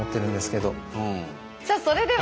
さあそれでは。